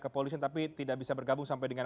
kepolisian tapi tidak bisa bergabung sampai dengan